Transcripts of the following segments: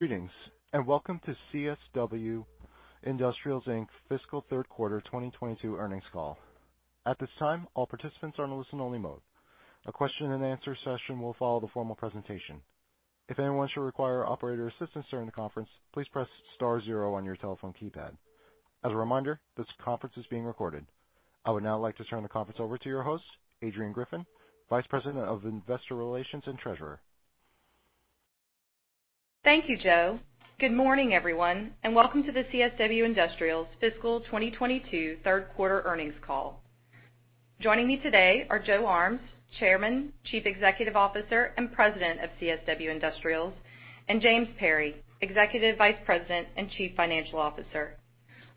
Greetings, and welcome to CSW Industrials, Inc. fiscal third quarter 2022 earnings call. At this time, all participants are in listen-only mode. A question and answer session will follow the formal presentation. If anyone should require operator assistance during the conference, please press star zero on your telephone keypad. As a reminder, this conference is being recorded. I would now like to turn the conference over to your host, Adrianne Griffin, Vice President of Investor Relations and Treasurer. Thank you, Joe. Good morning, everyone, and welcome to the CSW Industrials' fiscal 2022 third quarter earnings call. Joining me today are Joe Armes, Chairman, Chief Executive Officer, and President of CSW Industrials, and James Perry, Executive Vice President and Chief Financial Officer.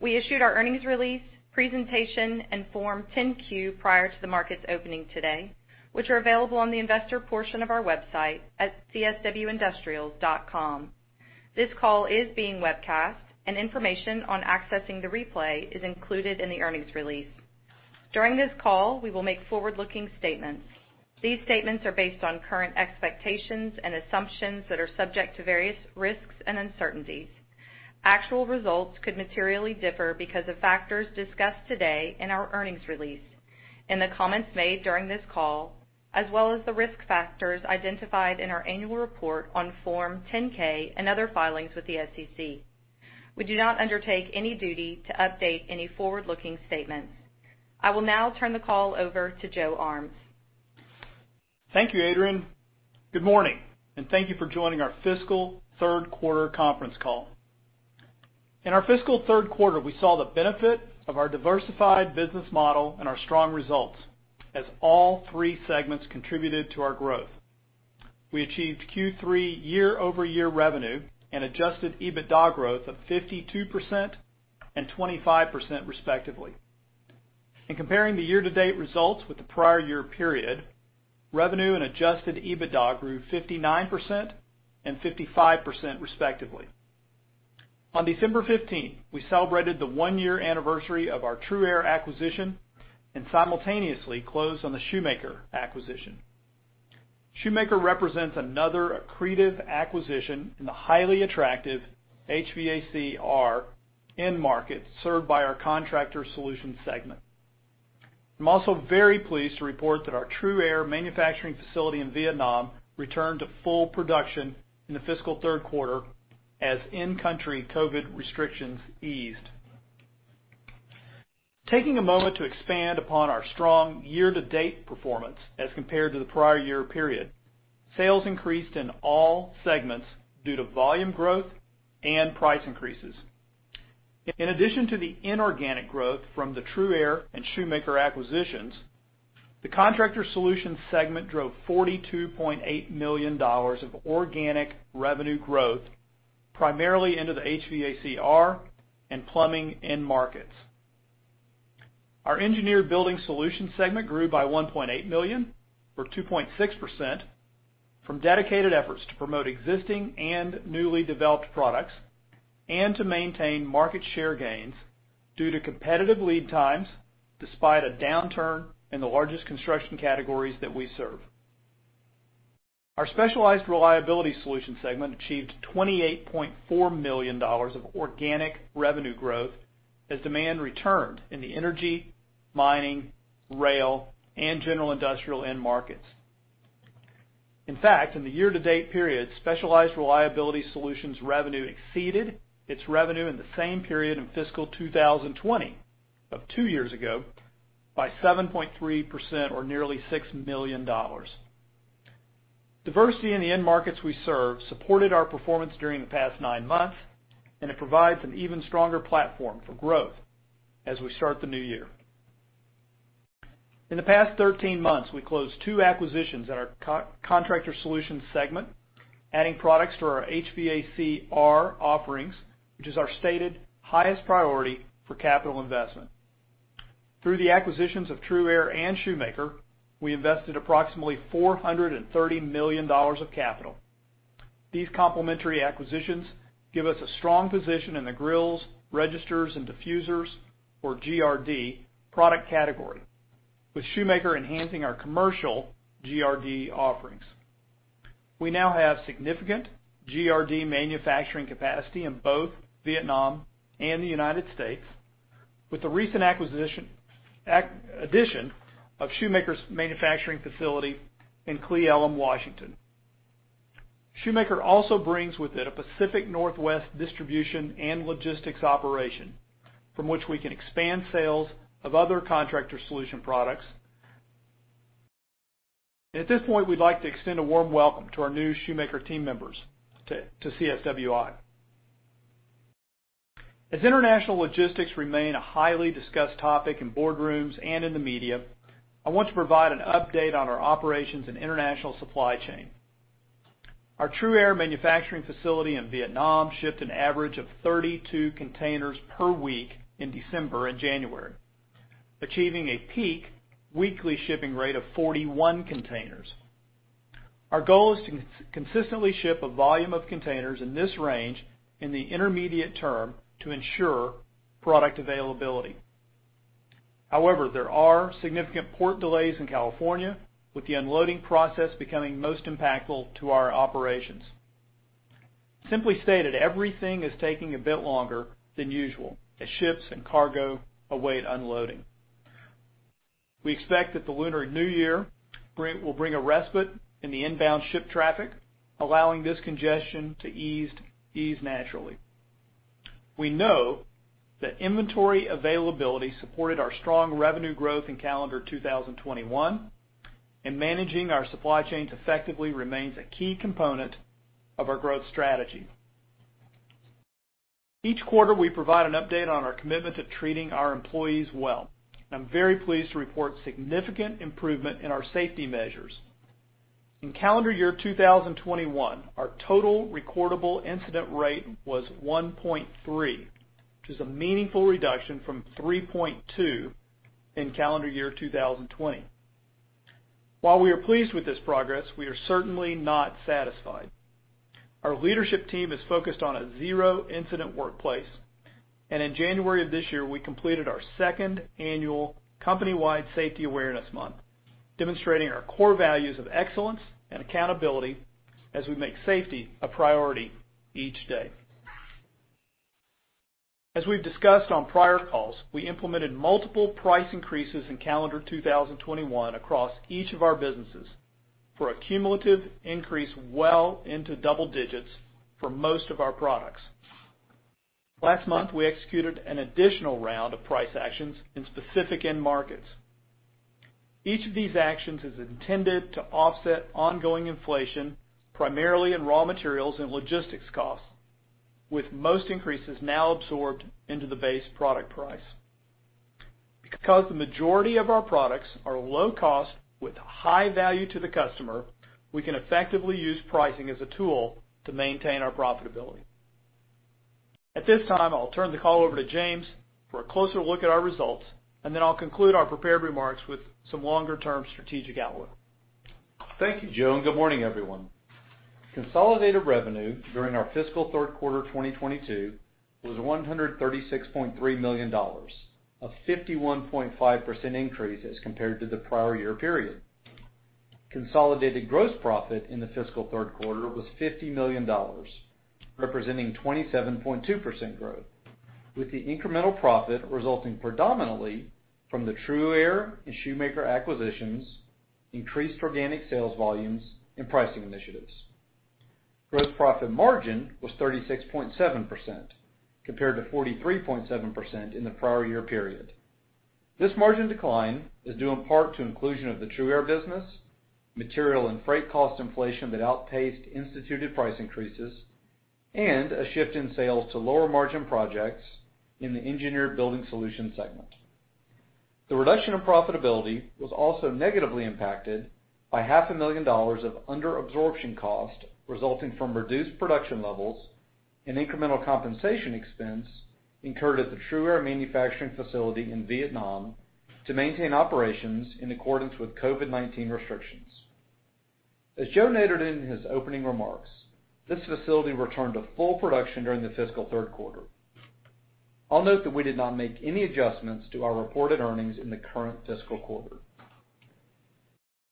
We issued our earnings release, presentation, and Form 10-Q prior to the market's opening today, which are available on the investor portion of our website at cswindustrials.com. This call is being webcast, and information on accessing the replay is included in the earnings release. During this call, we will make forward-looking statements. These statements are based on current expectations and assumptions that are subject to various risks and uncertainties. Actual results could materially differ because of factors discussed today in our earnings release, and the comments made during this call, as well as the risk factors identified in our annual report on Form 10-K and other filings with the SEC. We do not undertake any duty to update any forward-looking statements. I will now turn the call over to Joe Armes. Thank you, Adrianne. Good morning, and thank you for joining our fiscal third quarter conference call. In our fiscal third quarter, we saw the benefit of our diversified business model and our strong results as all three segments contributed to our growth. We achieved Q3 year-over-year revenue and adjusted EBITDA growth of 52% and 25%, respectively. In comparing the year-to-date results with the prior year period, revenue and adjusted EBITDA grew 59% and 55%, respectively. On December 15th, we celebrated the one-year anniversary of our TRUaire acquisition and simultaneously closed on the Shoemaker acquisition. Shoemaker represents another accretive acquisition in the highly attractive HVACR end market served by our Contractor Solutions segment. I'm also very pleased to report that our TRUaire manufacturing facility in Vietnam returned to full production in the fiscal third quarter as in-country COVID restrictions eased. Taking a moment to expand upon our strong year-to-date performance as compared to the prior year period, sales increased in all segments due to volume growth and price increases. In addition to the inorganic growth from the TRUaire and Shoemaker acquisitions, the Contractor Solutions segment drove $42.8 million of organic revenue growth, primarily into the HVACR and plumbing end markets. Our Engineered Building Solutions segment grew by $1.8 million, or 2.6%, from dedicated efforts to promote existing and newly developed products, and to maintain market share gains due to competitive lead times, despite a downturn in the largest construction categories that we serve. Our Specialized Reliability Solutions segment achieved $28.4 million of organic revenue growth as demand returned in the energy, mining, rail, and general industrial end markets. In fact, in the year-to-date period, Specialized Reliability Solutions revenue exceeded its revenue in the same period in fiscal 2020 of two years ago by 7.3% or nearly $6 million. Diversity in the end markets we serve supported our performance during the past 9 months, and it provides an even stronger platform for growth as we start the new year. In the past 13 months, we closed two acquisitions at our Contractor Solutions segment, adding products to our HVACR offerings, which is our stated highest priority for capital investment. Through the acquisitions of TRUaire and Shoemaker, we invested approximately $430 million of capital. These complementary acquisitions give us a strong position in the grills, registers, and diffusers, or GRD, product category, with Shoemaker enhancing our commercial GRD offerings. We now have significant GRD manufacturing capacity in both Vietnam and the United States with the recent acquisition of Shoemaker's manufacturing facility in Cle Elum, Washington. Shoemaker also brings with it a Pacific Northwest distribution and logistics operation from which we can expand sales of other Contractor Solutions products. At this point, we'd like to extend a warm welcome to our new Shoemaker team members to CSWI. As international logistics remain a highly discussed topic in boardrooms and in the media, I want to provide an update on our operations and international supply chain. Our TRUaire manufacturing facility in Vietnam shipped an average of 32 containers per week in December and January, achieving a peak weekly shipping rate of 41 containers. Our goal is to consistently ship a volume of containers in this range in the intermediate term to ensure product availability. However, there are significant port delays in California, with the unloading process becoming most impactful to our operations. Simply stated, everything is taking a bit longer than usual as ships and cargo await unloading. We expect that the Lunar New Year will bring a respite in the inbound ship traffic, allowing this congestion to ease naturally. We know that inventory availability supported our strong revenue growth in calendar 2021, and managing our supply chains effectively remains a key component of our growth strategy. Each quarter, we provide an update on our commitment to treating our employees well, and I'm very pleased to report significant improvement in our safety measures. In calendar year 2021, our total recordable incident rate was 1.3, which is a meaningful reduction from 3.2 in calendar year 2020. While we are pleased with this progress, we are certainly not satisfied. Our leadership team is focused on a zero-incident workplace. In January of this year, we completed our second annual company-wide safety awareness month, demonstrating our core values of excellence and accountability as we make safety a priority each day. As we've discussed on prior calls, we implemented multiple price increases in calendar 2021 across each of our businesses for a cumulative increase well into double digits for most of our products. Last month, we executed an additional round of price actions in specific end markets. Each of these actions is intended to offset ongoing inflation, primarily in raw materials and logistics costs, with most increases now absorbed into the base product price. Because the majority of our products are low cost with high value to the customer, we can effectively use pricing as a tool to maintain our profitability. At this time, I'll turn the call over to James for a closer look at our results, and then I'll conclude our prepared remarks with some longer-term strategic outlook. Thank you, Joe, and good morning, everyone. Consolidated revenue during our fiscal third quarter 2022 was $136.3 million, a 51.5% increase as compared to the prior year period. Consolidated gross profit in the fiscal third quarter was $50 million, representing 27.2% growth, with the incremental profit resulting predominantly from the TRUaire and Shoemaker acquisitions, increased organic sales volumes, and pricing initiatives. Gross profit margin was 36.7% compared to 43.7% in the prior year period. This margin decline is due in part to inclusion of the TRUaire business, material and freight cost inflation that outpaced instituted price increases, and a shift in sales to lower-margin projects in the Engineered Building Solutions segment. The reduction of profitability was also negatively impacted by $500,000 of under absorption cost resulting from reduced production levels and incremental compensation expense incurred at the TRUaire manufacturing facility in Vietnam to maintain operations in accordance with COVID-19 restrictions. Joe noted in his opening remarks, this facility returned to full production during the fiscal third quarter. I'll note that we did not make any adjustments to our reported earnings in the current fiscal quarter.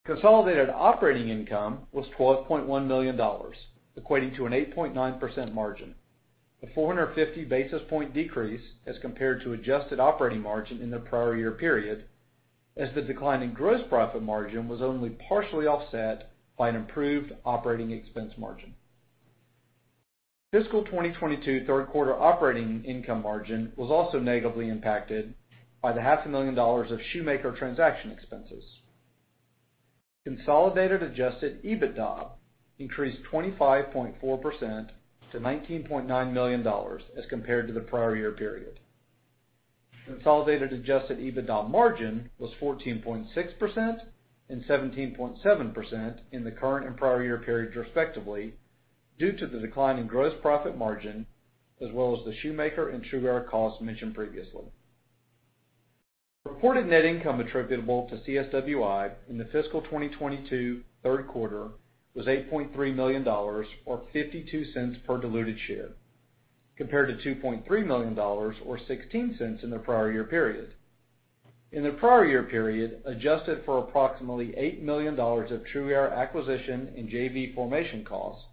Consolidated operating income was $12.1 million, equating to an 8.9% margin, a 450 basis point decrease as compared to adjusted operating margin in the prior year period, as the decline in gross profit margin was only partially offset by an improved operating expense margin. Fiscal 2022 third quarter operating income margin was also negatively impacted by the $500,000 of Shoemaker transaction expenses. Consolidated adjusted EBITDA increased 25.4% to $19.9 million as compared to the prior year period. Consolidated adjusted EBITDA margin was 14.6% and 17.7% in the current and prior year period, respectively, due to the decline in gross profit margin, as well as the Shoemaker and TRUaire costs mentioned previously. Reported net income attributable to CSWI in the fiscal 2022 third quarter was $8.3 million or $0.52 per diluted share, compared to $2.3 million or $0.16 in the prior year period. In the prior year period, adjusted for approximately $8 million of TRUaire acquisition and JV formation costs,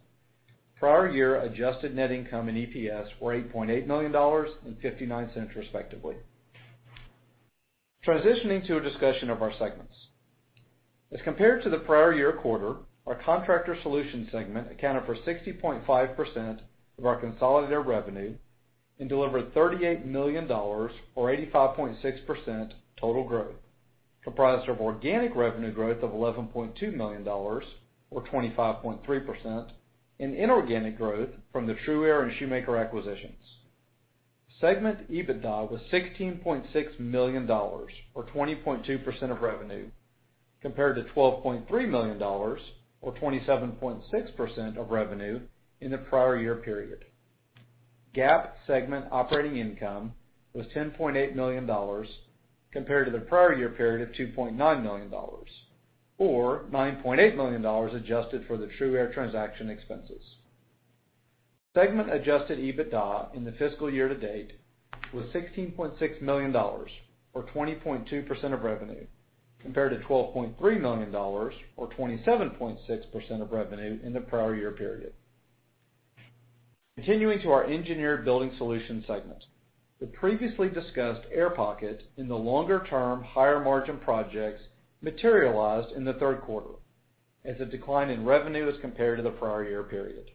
prior year adjusted net income and EPS were $8.8 million and $0.59, respectively. Transitioning to a discussion of our segments. As compared to the prior year quarter, our Contractor Solutions segment accounted for 60.5% of our consolidated revenue and delivered $38 million or 85.6% total growth, comprised of organic revenue growth of $11.2 million or 25.3%, and inorganic growth from the TRUaire and Shoemaker acquisitions. Segment EBITDA was $16.6 million or 20.2% of revenue, compared to $12.3 million or 27.6% of revenue in the prior year period. GAAP segment operating income was $10.8 million compared to the prior year period of $2.9 million or $9.8 million adjusted for the TRUaire transaction expenses. Segment adjusted EBITDA in the fiscal year to date was $16.6 million, or 20.2% of revenue, compared to $12.3 million, or 27.6% of revenue in the prior year period. Continuing to our Engineered Building Solutions segment. The previously discussed air pocket in the longer-term higher margin projects materialized in the third quarter as a decline in revenue as compared to the prior year period.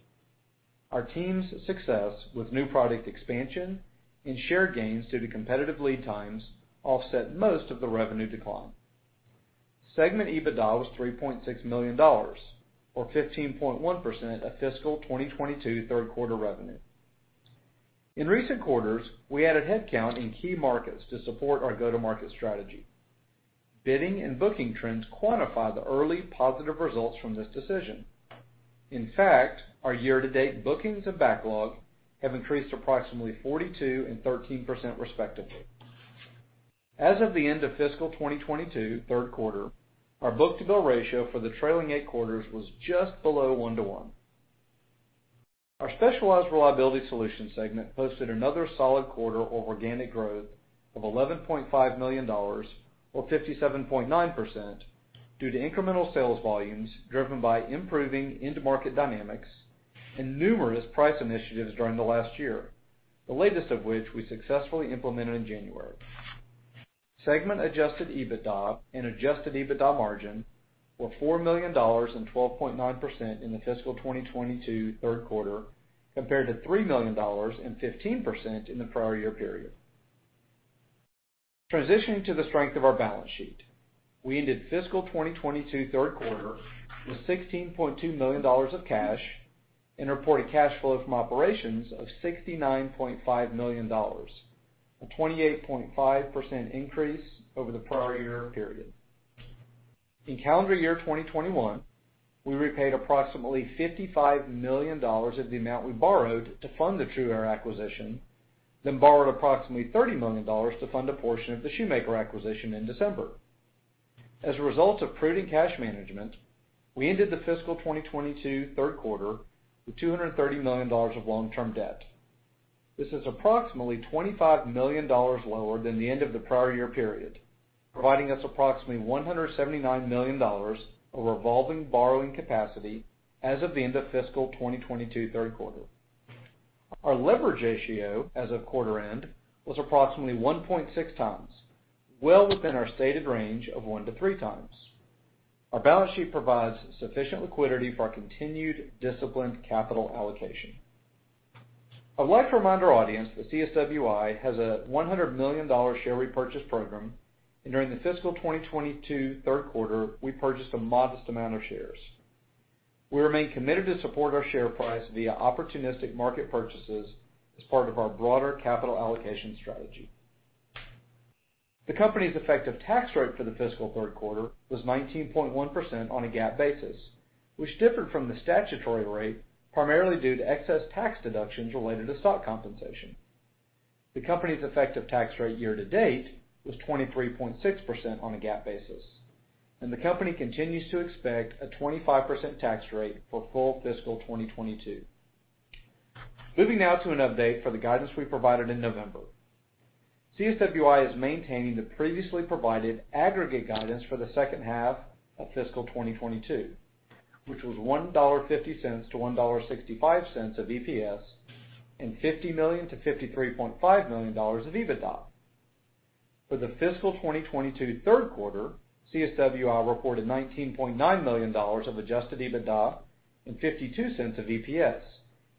Our team's success with new product expansion and share gains due to competitive lead times offset most of the revenue decline. Segment EBITDA was $3.6 million, or 15.1% of fiscal 2022 third quarter revenue. In recent quarters, we added headcount in key markets to support our go-to-market strategy. Bidding and booking trends quantify the early positive results from this decision. In fact, our year-to-date bookings and backlog have increased approximately 42% and 13% respectively. As of the end of fiscal 2022 third quarter, our book-to-bill ratio for the trailing eight quarters was just below 1 to 1. Our Specialized Reliability Solutions segment posted another solid quarter of organic growth of $11.5 million, or 57.9%, due to incremental sales volumes driven by improving end market dynamics and numerous price initiatives during the last year, the latest of which we successfully implemented in January. Segment adjusted EBITDA and adjusted EBITDA margin were $4 million and 12.9% in the fiscal 2022 third quarter, compared to $3 million and 15% in the prior year period. Transitioning to the strength of our balance sheet, we ended fiscal 2022 third quarter with $16.2 million of cash and reported cash flow from operations of $69.5 million, a 28.5% increase over the prior year period. In calendar year 2021, we repaid approximately $55 million of the amount we borrowed to fund the TRUaire acquisition, then borrowed approximately $30 million to fund a portion of the Shoemaker acquisition in December. As a result of prudent cash management, we ended the fiscal 2022 third quarter with $230 million of long-term debt. This is approximately $25 million lower than the end of the prior year period, providing us approximately $179 million of revolving borrowing capacity as of the end of fiscal 2022 third quarter. Our leverage ratio as of quarter end was approximately 1.6x, well within our stated range of 1x-3x. Our balance sheet provides sufficient liquidity for our continued disciplined capital allocation. I'd like to remind our audience that CSWI has a $100 million share repurchase program, and during the fiscal 2022 third quarter, we purchased a modest amount of shares. We remain committed to support our share price via opportunistic market purchases as part of our broader capital allocation strategy. The company's effective tax rate for the fiscal third quarter was 19.1% on a GAAP basis, which differed from the statutory rate, primarily due to excess tax deductions related to stock compensation. The company's effective tax rate year to date was 23.6% on a GAAP basis, and the company continues to expect a 25% tax rate for full fiscal 2022. Moving now to an update for the guidance we provided in November. CSWI is maintaining the previously provided aggregate guidance for the second half of fiscal 2022, which was $1.50-$1.65 of EPS and $50 million-$53.5 million of EBITDA. For the fiscal 2022 third quarter, CSWI reported $19.9 million of adjusted EBITDA and $0.52 of EPS,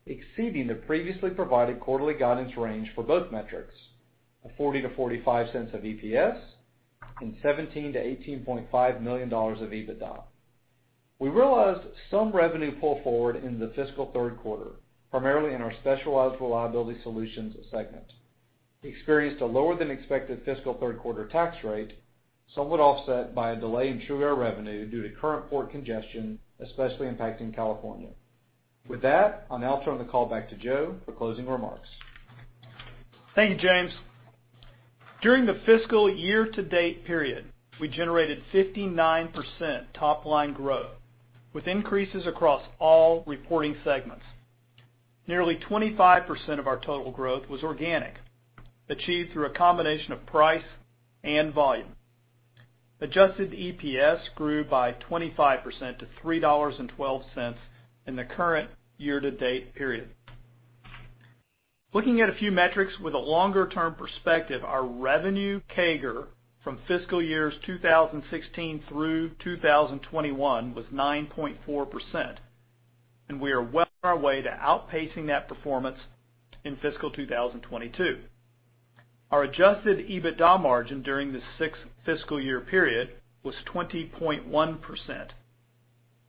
exceeding the previously provided quarterly guidance range for both metrics of $0.40-$0.45 of EPS and $17 million-$18.5 million of EBITDA. We realized some revenue pull forward in the fiscal third quarter, primarily in our Specialized Reliability Solutions segment. We experienced a lower than expected fiscal third quarter tax rate, somewhat offset by a delay in TRUaire revenue due to current port congestion, especially impacting California. With that, I'll now turn the call back to Joe for closing remarks. Thank you, James. During the fiscal year to date period, we generated 59% top line growth with increases across all reporting segments. Nearly 25% of our total growth was organic, achieved through a combination of price and volume. Adjusted EPS grew by 25% to $3.12 in the current year to date period. Looking at a few metrics with a longer term perspective, our revenue CAGR from fiscal years 2016 through 2021 was 9.4%, and we are well on our way to outpacing that performance in fiscal 2022. Our adjusted EBITDA margin during the six fiscal year period was 20.1%.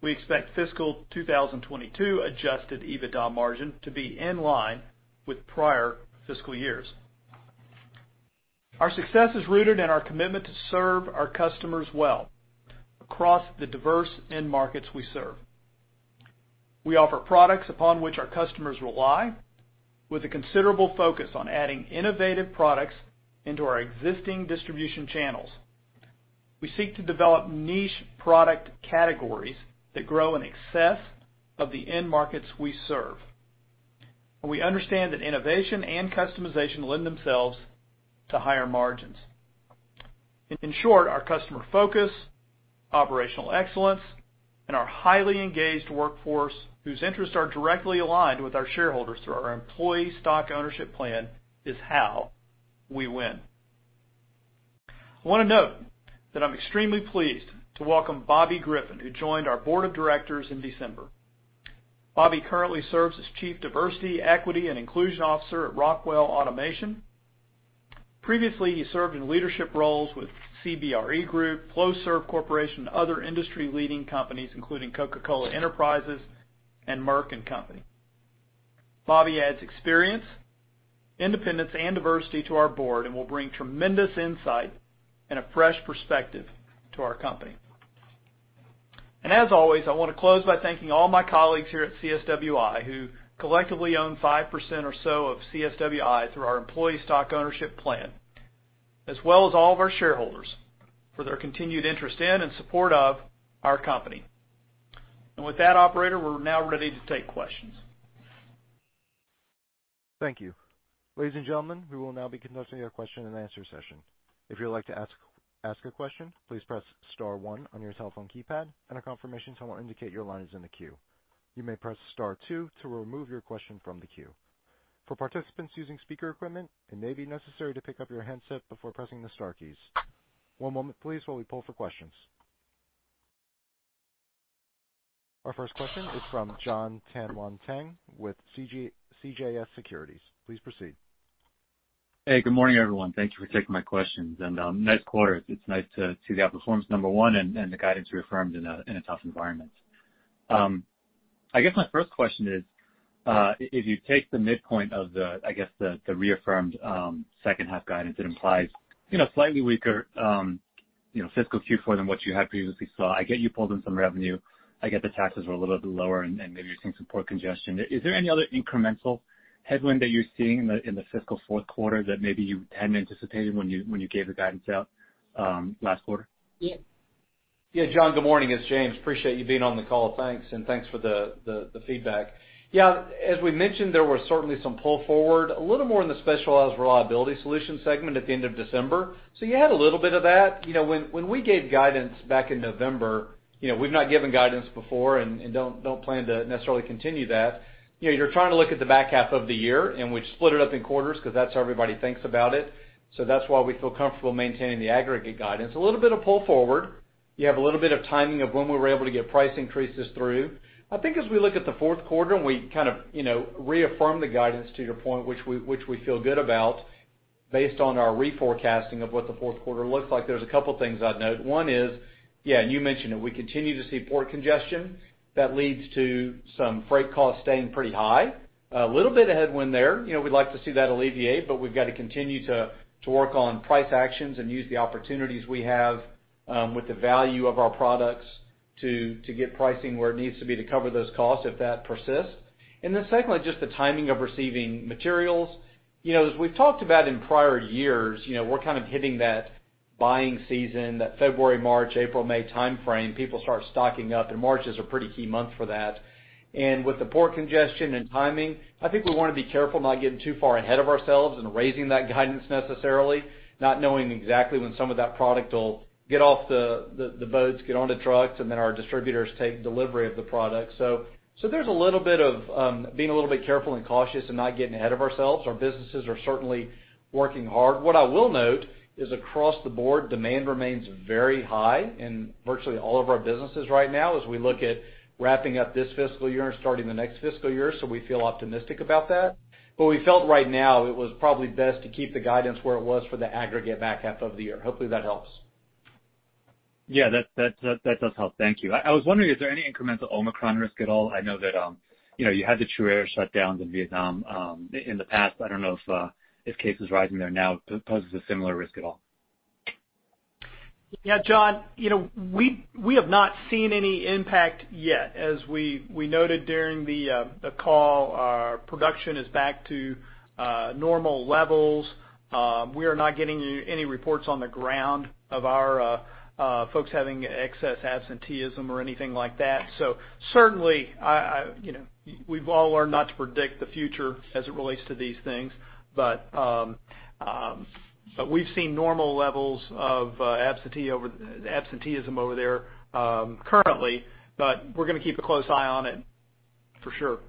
We expect fiscal 2022 adjusted EBITDA margin to be in line with prior fiscal years. Our success is rooted in our commitment to serve our customers well across the diverse end markets we serve. We offer products upon which our customers rely, with a considerable focus on adding innovative products into our existing distribution channels. We seek to develop niche product categories that grow in excess of the end markets we serve. We understand that innovation and customization lend themselves to higher margins. In short, our customer focus, operational excellence, and our highly engaged workforce, whose interests are directly aligned with our shareholders through our employee stock ownership plan, is how we win. I wanna note that I'm extremely pleased to welcome Bobby Griffin, who joined our board of directors in December. Bobby currently serves as Chief Diversity, Equity and Inclusion Officer at Rockwell Automation. Previously, he served in leadership roles with CBRE Group, Flowserve Corporation, and other industry-leading companies, including Coca-Cola Enterprises and Merck & Company. Bobby adds experience, independence, and diversity to our board and will bring tremendous insight and a fresh perspective to our company. As always, I wanna close by thanking all my colleagues here at CSWI, who collectively own 5% or so of CSWI through our employee stock ownership plan, as well as all of our shareholders for their continued interest in and support of our company. With that, operator, we're now ready to take questions. Thank you. Ladies and gentlemen, we will now be conducting your question-and-answer session. If you'd like to ask a question, please press star one on your telephone keypad, and a confirmation tone will indicate your line is in the queue. You may press star two to remove your question from the queue. For participants using speaker equipment, it may be necessary to pick up your handset before pressing the star keys. One moment please, while we poll for questions. Our first question is from Jon Tanwanteng with CJS Securities. Please proceed. Hey, good morning, everyone. Thank you for taking my questions. Nice quarter. It's nice to see the outperformance, number one, and the guidance reaffirmed in a tough environment. I guess my first question is, if you take the midpoint of the, I guess, the reaffirmed second half guidance, it implies, you know, slightly weaker, you know, fiscal Q4 than what you had previously saw. I get you pulled in some revenue. I get the taxes were a little bit lower and maybe you're seeing some port congestion. Is there any other incremental headwind that you're seeing in the fiscal fourth quarter that maybe you hadn't anticipated when you gave the guidance out, last quarter? Yeah, Jon, good morning. It's James. Appreciate you being on the call. Thanks, and thanks for the feedback. Yeah, as we mentioned, there were certainly some pull forward, a little more in the Specialized Reliability Solutions segment at the end of December. So you had a little bit of that. You know, when we gave guidance back in November, you know, we've not given guidance before and don't plan to necessarily continue that. You know, you're trying to look at the back half of the year, and we split it up in quarters 'cause that's how everybody thinks about it. So that's why we feel comfortable maintaining the aggregate guidance. A little bit of pull forward. You have a little bit of timing of when we were able to get price increases through. I think as we look at the fourth quarter, and we kind of, you know, reaffirm the guidance to your point, which we feel good about based on our reforecasting of what the fourth quarter looks like, there's a couple things I'd note. One is, yeah, and you mentioned it, we continue to see port congestion that leads to some freight costs staying pretty high. A little bit of headwind there. You know, we'd like to see that alleviate, but we've got to continue to work on price actions and use the opportunities we have with the value of our products to get pricing where it needs to be to cover those costs if that persists. Then secondly, just the timing of receiving materials. You know, as we've talked about in prior years, you know, we're kind of hitting that buying season, that February, March, April, May timeframe, people start stocking up, and March is a pretty key month for that. With the port congestion and timing, I think we wanna be careful not getting too far ahead of ourselves and raising that guidance necessarily, not knowing exactly when some of that product will get off the boats, get onto trucks, and then our distributors take delivery of the product. There's a little bit of being a little bit careful and cautious and not getting ahead of ourselves. Our businesses are certainly working hard. What I will note is across the board, demand remains very high in virtually all of our businesses right now as we look at wrapping up this fiscal year and starting the next fiscal year, so we feel optimistic about that. We felt right now it was probably best to keep the guidance where it was for the aggregate back half of the year. Hopefully, that helps. Yeah, that does help. Thank you. I was wondering, is there any incremental Omicron risk at all? I know that, you know, you had the TRUaire shutdown in Vietnam in the past. I don't know if cases rising there now poses a similar risk at all. Yeah, Jon, you know, we have not seen any impact yet. As we noted during the call, our production is back to normal levels. We are not getting any reports on the ground of our folks having excess absenteeism or anything like that. Certainly, you know, we've all learned not to predict the future as it relates to these things. We've seen normal levels of absenteeism over there currently, but we're gonna keep a close eye on it for sure.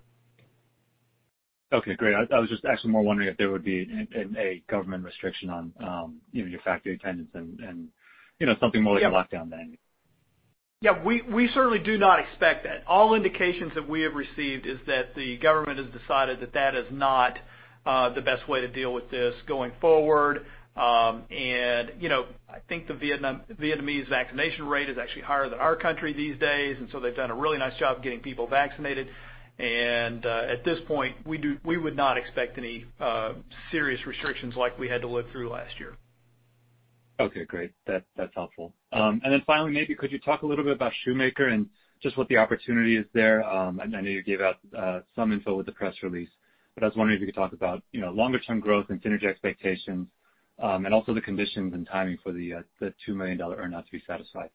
Okay, great. I was just actually more wondering if there would be a government restriction on, you know, your factory attendance and, you know, something more like lockdown than. Yeah. We certainly do not expect that. All indications that we have received is that the government has decided that that is not the best way to deal with this going forward. You know, I think the Vietnamese vaccination rate is actually higher than our country these days, and so they've done a really nice job getting people vaccinated. At this point, we would not expect any serious restrictions like we had to live through last year. Okay, great. That's helpful. Maybe you could talk a little bit about Shoemaker and just what the opportunity is there? I know you gave out some info with the press release, but I was wondering if you could talk about, you know, longer term growth and synergy expectations, and also the conditions and timing for the $2 million earn-out to be satisfied.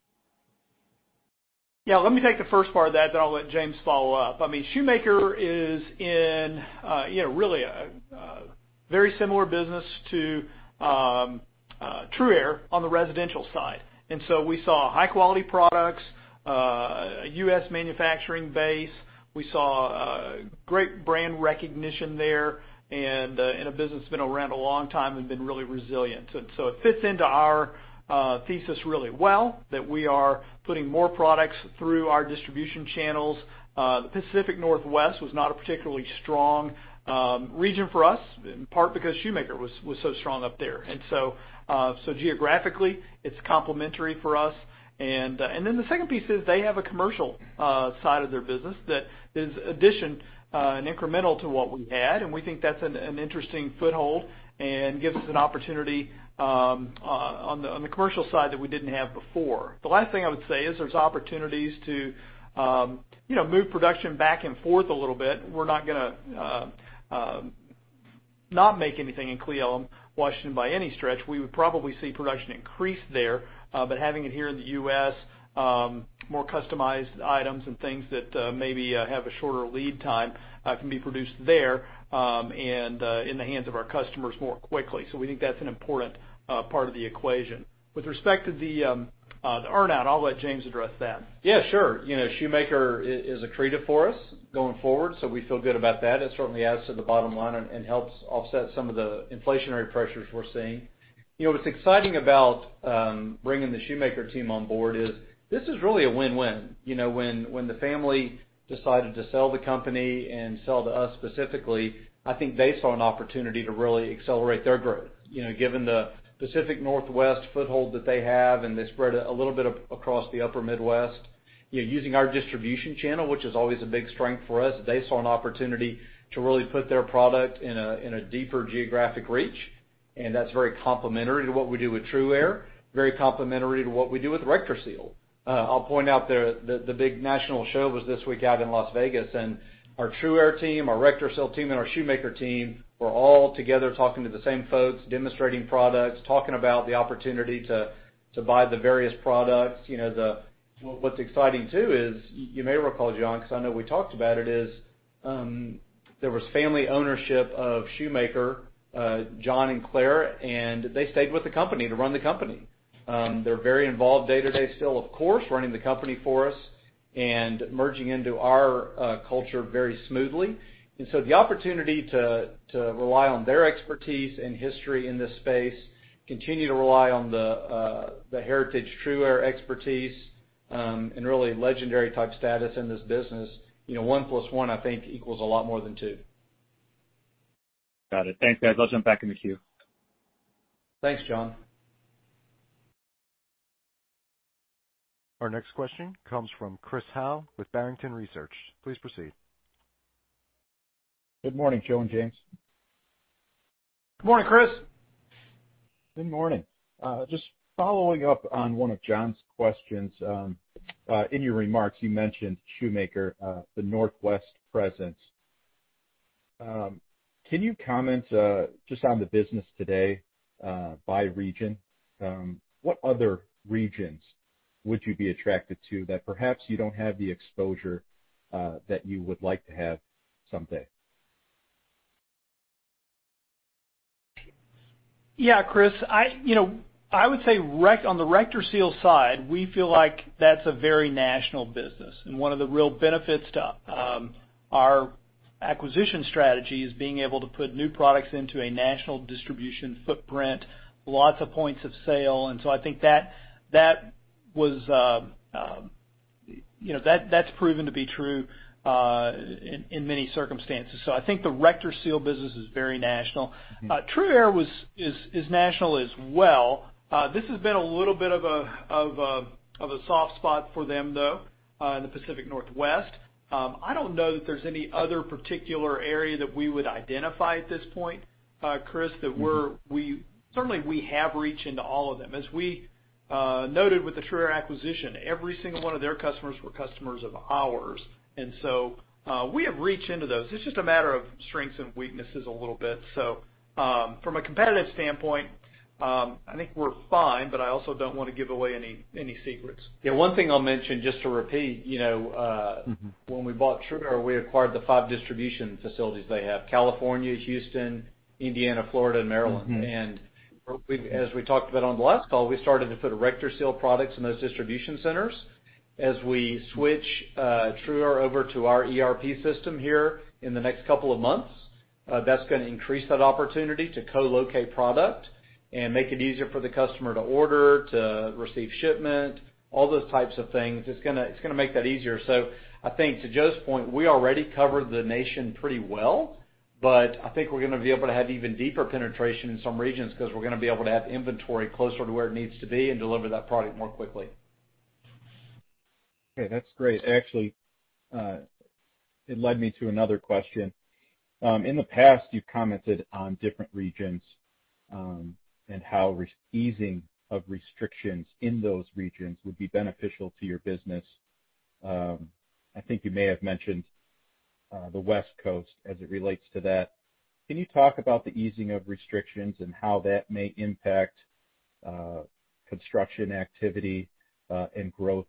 Yeah, let me take the first part of that, then I'll let James follow up. I mean, Shoemaker is in, you know, really a very similar business to TRUaire on the residential side. We saw high-quality products, a U.S. manufacturing base. We saw great brand recognition there and a business that's been around a long time and been really resilient. So it fits into our thesis really well that we are putting more products through our distribution channels. The Pacific Northwest was not a particularly strong region for us, in part because Shoemaker was so strong up there. Geographically, it's complementary for us. Then the second piece is they have a commercial side of their business that is additional and incremental to what we had, and we think that's an interesting foothold and gives us an opportunity on the commercial side that we didn't have before. The last thing I would say is there are opportunities to, you know, move production back and forth a little bit. We're gonna make anything in Cle Elum, Washington, by any stretch. We would probably see production increase there. But having it here in the U.S., more customized items and things that maybe have a shorter lead time can be produced there and in the hands of our customers more quickly. We think that's an important part of the equation. With respect to the earn-out, I'll let James address that. Yeah, sure. You know, Shoemaker is accretive for us going forward, so we feel good about that. It certainly adds to the bottom line and helps offset some of the inflationary pressures we're seeing. You know, what's exciting about bringing the Shoemaker team on board is this is really a win-win. You know, when the family decided to sell the company and sell to us specifically, I think they saw an opportunity to really accelerate their growth. You know, given the Pacific Northwest foothold that they have, and they spread a little bit across the upper Midwest, you know, using our distribution channel, which is always a big strength for us, they saw an opportunity to really put their product in a deeper geographic reach, and that's very complementary to what we do with TRUaire, very complementary to what we do with RectorSeal. I'll point out there that the big national show was this week out in Las Vegas, and our TRUaire team, our RectorSeal team, and our Shoemaker team were all together talking to the same folks, demonstrating products, talking about the opportunity to buy the various products. You know, what's exciting too is you may recall, Jon, because I know we talked about it, there was family ownership of Shoemaker, John and Claire, and they stayed with the company to run the company. They're very involved day-to-day still, of course, running the company for us and merging into our culture very smoothly. The opportunity to rely on their expertise and history in this space, continue to rely on the heritage TRUaire expertise, and really legendary type status in this business, you know, one plus one, I think equals a lot more than two. Got it. Thanks, guys. I'll jump back in the queue. Thanks, Jon. Our next question comes from Chris Howe with Barrington Research. Please proceed. Good morning, Joe and James. Good morning, Chris. Good morning. Just following up on one of Jon's questions, in your remarks, you mentioned Shoemaker, the Northwest presence. Can you comment, just on the business today, by region? What other regions would you be attracted to that perhaps you don't have the exposure, that you would like to have someday? Yeah, Chris. I you know I would say RectorSeal side, we feel like that's a very national business. One of the real benefits to our acquisition strategy is being able to put new products into a national distribution footprint, lots of points of sale. I think that that was you know that that's proven to be true in many circumstances. I think the RectorSeal business is very national. TRUaire was is national as well. This has been a little bit of a of a soft spot for them, though, in the Pacific Northwest. I don't know that there's any other particular area that we would identify at this point, Chris, that we certainly have reach into all of them. As we noted with the TRUaire acquisition, every single one of their customers were customers of ours. We have reach into those. It's just a matter of strengths and weaknesses a little bit. From a competitive standpoint, I think we're fine, but I also don't wanna give away any secrets. Yeah, one thing I'll mention, just to repeat, you know. Mm-hmm. When we bought TRUaire, we acquired the five distribution facilities they have, California, Houston, Indiana, Florida, and Maryland. Mm-hmm. We've, as we talked about on the last call, we started to put RectorSeal products in those distribution centers. As we switch, TRUaire over to our ERP system here in the next couple of months, that's gonna increase that opportunity to co-locate product and make it easier for the customer to order, to receive shipment, all those types of things. It's gonna make that easier. I think to Joe's point, we already cover the nation pretty well, but I think we're gonna be able to have even deeper penetration in some regions because we're gonna be able to have inventory closer to where it needs to be and deliver that product more quickly. Okay, that's great. Actually, it led me to another question. In the past, you've commented on different regions and how easing of restrictions in those regions would be beneficial to your business. I think you may have mentioned the West Coast as it relates to that. Can you talk about the easing of restrictions and how that may impact construction activity and growth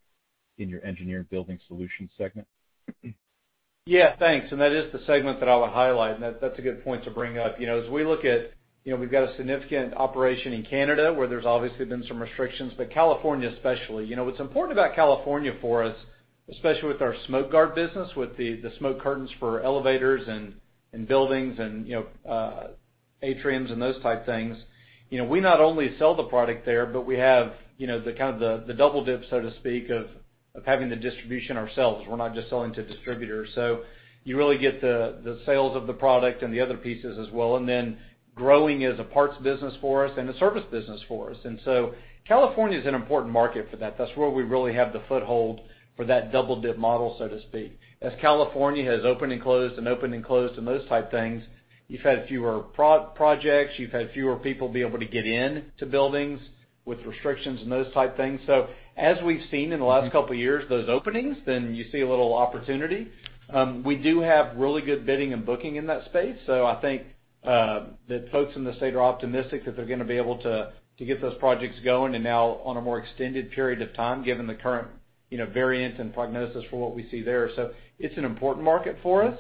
in your Engineered Building Solutions segment? Yeah, thanks. That is the segment that I would highlight, and that's a good point to bring up. You know, as we look at, you know, we've got a significant operation in Canada where there's obviously been some restrictions, but California especially. You know, what's important about California for us, especially with our Smoke Guard business, with the smoke curtains for elevators and buildings and, you know, atriums and those type things, you know, we not only sell the product there, but we have, you know, the kind of the double dip, so to speak, of having the distribution ourselves. We're not just selling to distributors. So you really get the sales of the product and the other pieces as well, and then growing as a parts business for us and a service business for us. California is an important market for that. That's where we really have the foothold for that double dip model, so to speak. As California has opened and closed and opened and closed and those type things, you've had fewer pro projects, you've had fewer people be able to get into buildings with restrictions and those type things. As we've seen in the last couple of years, those openings, then you see a little opportunity. We do have really good bidding and booking in that space. I think the folks in the state are optimistic that they're gonna be able to get those projects going and now on a more extended period of time, given the current, you know, variant and prognosis for what we see there. It's an important market for us.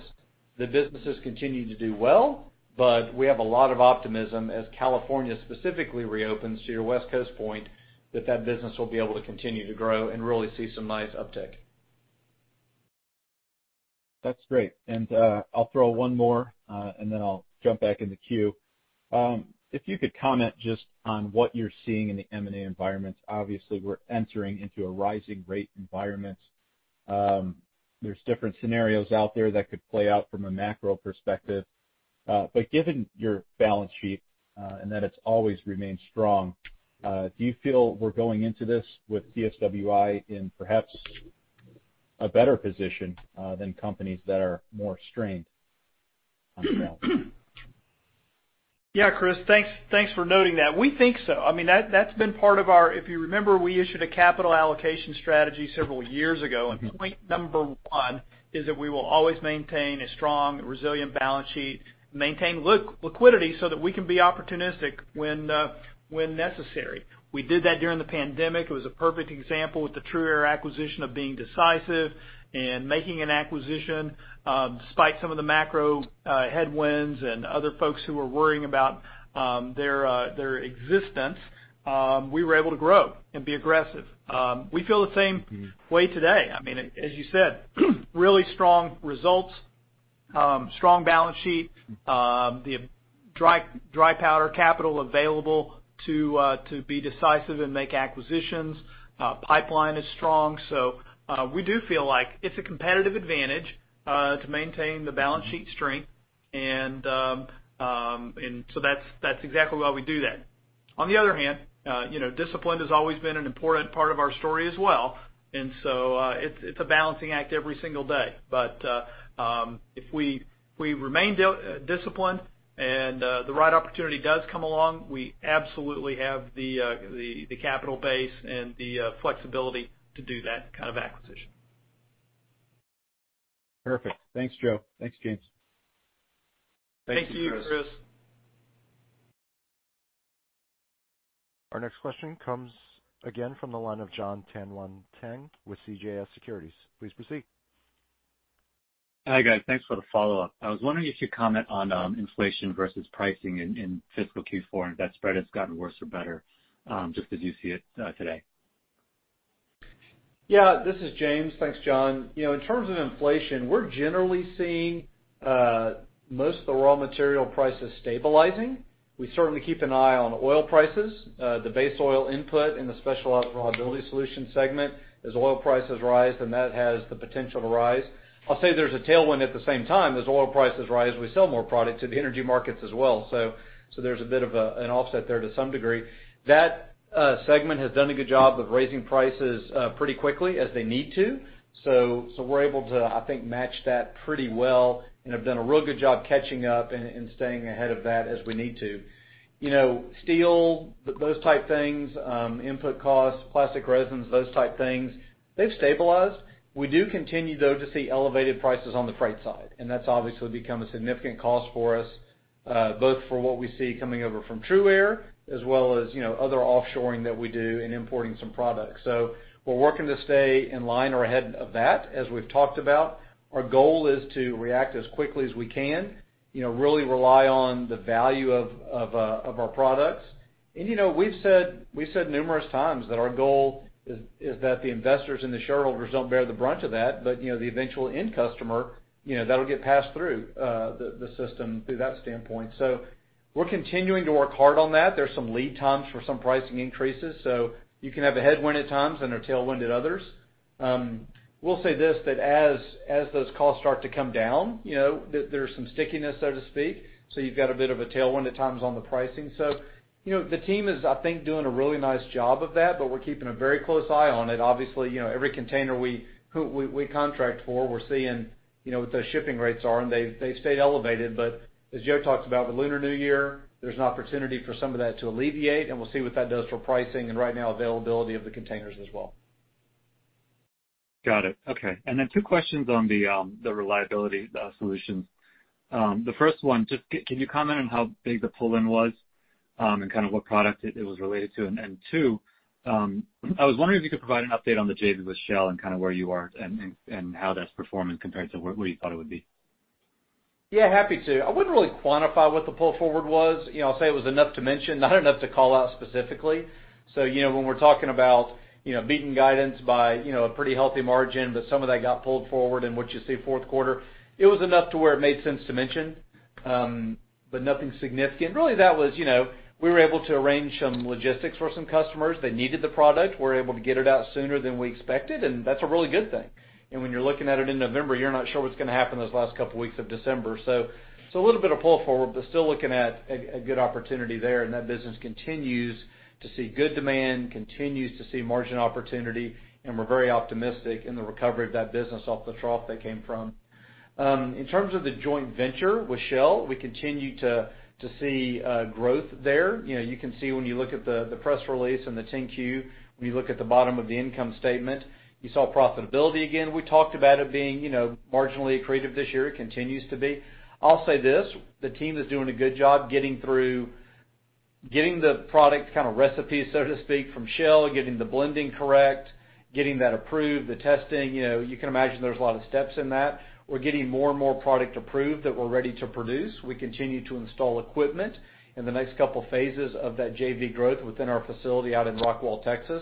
The businesses continue to do well, but we have a lot of optimism as California specifically reopens to your West Coast point that business will be able to continue to grow and really see some nice uptick. That's great. I'll throw one more, and then I'll jump back in the queue. If you could comment just on what you're seeing in the M&A environment. Obviously, we're entering into a rising rate environment. There's different scenarios out there that could play out from a macro perspective. Given your balance sheet, and that it's always remained strong, do you feel we're going into this with CSWI in perhaps a better position, than companies that are more strained on sales? Yeah, Chris, thanks for noting that. We think so. I mean, that's been part of our. If you remember, we issued a capital allocation strategy several years ago. Point number one is that we will always maintain a strong, resilient balance sheet, maintain liquidity so that we can be opportunistic when necessary. We did that during the pandemic. It was a perfect example with the TRUaire acquisition of being decisive and making an acquisition, despite some of the macro headwinds and other folks who were worrying about their existence, we were able to grow and be aggressive. We feel the same way today. I mean, as you said, really strong results, strong balance sheet, the dry powder capital available to be decisive and make acquisitions, pipeline is strong. We do feel like it's a competitive advantage to maintain the balance sheet strength. That's exactly why we do that. On the other hand, you know, discipline has always been an important part of our story as well. It's a balancing act every single day. If we remain disciplined and the right opportunity does come along, we absolutely have the capital base and the flexibility to do that kind of acquisition. Perfect. Thanks, Joe. Thanks, James. Thank you, Chris. Thank you, Chris. Our next question comes again from the line of Jon Tanwanteng with CJS Securities. Please proceed. Hi, guys. Thanks for the follow-up. I was wondering if you comment on inflation versus pricing in fiscal Q4, and if that spread has gotten worse or better, just as you see it today. Yeah, this is James. Thanks, Jon. You know, in terms of inflation, we're generally seeing most of the raw material prices stabilizing. We certainly keep an eye on oil prices, the base oil input in the Specialized Reliability Solutions segment as oil prices rise, and that has the potential to rise. I'll say there's a tailwind at the same time. As oil prices rise, we sell more product to the energy markets as well. So there's a bit of an offset there to some degree. That segment has done a good job of raising prices pretty quickly as they need to. So we're able to, I think, match that pretty well and have done a real good job catching up and staying ahead of that as we need to. You know, steel, those type things, input costs, plastic resins, those type things, they've stabilized. We do continue, though, to see elevated prices on the freight side, and that's obviously become a significant cost for us, both for what we see coming over from TRUaire as well as, you know, other offshoring that we do in importing some products. We're working to stay in line or ahead of that, as we've talked about. Our goal is to react as quickly as we can, you know, really rely on the value of our products. You know, we've said numerous times that our goal is that the investors and the shareholders don't bear the brunt of that. You know, the eventual end customer, you know, that'll get passed through the system through that standpoint. We're continuing to work hard on that. There's some lead times for some pricing increases, so you can have a headwind at times and a tailwind at others. We'll say this, that as those costs start to come down, you know, there's some stickiness, so to speak. You've got a bit of a tailwind at times on the pricing. You know, the team is, I think, doing a really nice job of that, but we're keeping a very close eye on it. Obviously, you know, every container we contract for, we're seeing, you know, what those shipping rates are, and they've stayed elevated. As Joe talked about, the Lunar New Year, there's an opportunity for some of that to alleviate, and we'll see what that does for pricing and right now availability of the containers as well. Got it. Okay. Two questions on the reliability solutions. The first one, just can you comment on how big the pull-in was, and kind of what product it was related to? Two, I was wondering if you could provide an update on the JV with Shell and kind of where you are and how that's performing compared to what you thought it would be. Yeah, happy to. I wouldn't really quantify what the pull forward was. You know, I'll say it was enough to mention, not enough to call out specifically. You know, when we're talking about beating guidance by a pretty healthy margin, but some of that got pulled forward in what you see fourth quarter, it was enough to where it made sense to mention, but nothing significant. Really, that was you know, we were able to arrange some logistics for some customers. They needed the product. We're able to get it out sooner than we expected, and that's a really good thing. When you're looking at it in November, you're not sure what's gonna happen those last couple weeks of December. A little bit of pull forward, but still looking at a good opportunity there, and that business continues to see good demand, continues to see margin opportunity, and we're very optimistic in the recovery of that business off the trough they came from. In terms of the joint venture with Shell, we continue to see growth there. You can see when you look at the press release and the 10-Q, when you look at the bottom of the income statement, you saw profitability again. We talked about it being marginally accretive this year. It continues to be. I'll say this, the team is doing a good job getting the product kind of recipe, so to speak, from Shell, getting the blending correct, getting that approved, the testing, you know, you can imagine there's a lot of steps in that. We're getting more and more product approved that we're ready to produce. We continue to install equipment in the next couple phases of that JV growth within our facility out in Rockwall, Texas,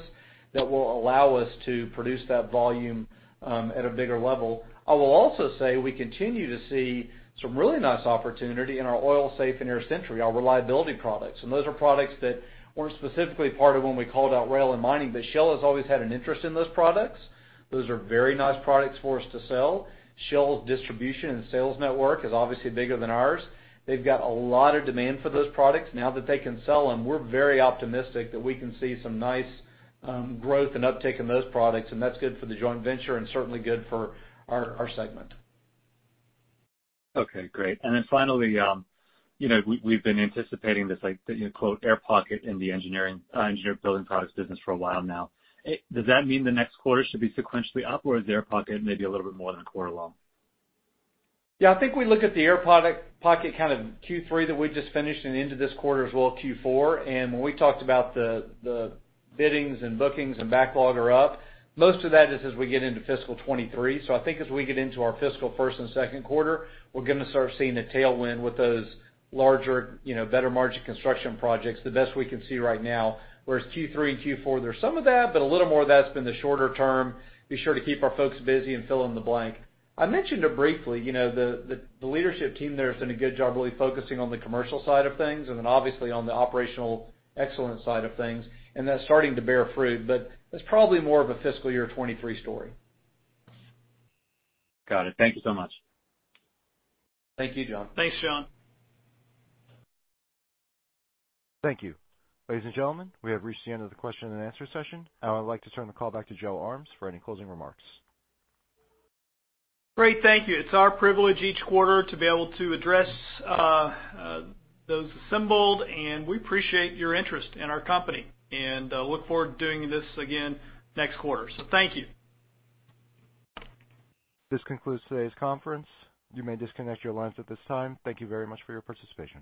that will allow us to produce that volume at a bigger level. I will also say, we continue to see some really nice opportunity in our OilSafe and Air Sentry, our reliability products. Those are products that weren't specifically part of when we called out rail and mining, but Shell has always had an interest in those products. Those are very nice products for us to sell. Shell's distribution and sales network is obviously bigger than ours. They've got a lot of demand for those products now that they can sell them. We're very optimistic that we can see some nice growth and uptick in those products, and that's good for the joint venture and certainly good for our segment. Okay, great. Finally, you know, we've been anticipating this, like, "air pocket" in the engineered building products business for a while now. Does that mean the next quarter should be sequentially up, or is the air pocket maybe a little bit more than a quarter long? Yeah, I think we look at the air pocket kind of Q3 that we just finished and into this quarter as well, Q4. When we talked about the biddings and bookings and backlog are up, most of that is as we get into fiscal 2023. I think as we get into our fiscal first and second quarter, we're gonna start seeing a tailwind with those larger, you know, better margin construction projects, the best we can see right now. Whereas Q3 and Q4, there's some of that, but a little more of that's been the shorter term to be sure to keep our folks busy and fill in the blank. I mentioned it briefly, you know, the leadership team there has done a good job really focusing on the commercial side of things, and then obviously on the operational excellence side of things, and that's starting to bear fruit. That's probably more of a fiscal year 2023 story. Got it. Thank you so much. Thank you, Jon. Thanks, Jon. Thank you. Ladies and gentlemen, we have reached the end of the question and answer session. I would like to turn the call back to Joe Armes for any closing remarks. Great, thank you. It's our privilege each quarter to be able to address those assembled, and we appreciate your interest in our company and look forward to doing this again next quarter. Thank you. This concludes today's conference. You may disconnect your lines at this time. Thank you very much for your participation.